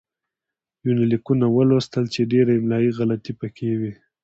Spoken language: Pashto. يونليکونه ولوستل چې ډېره املايي غلطي پکې وې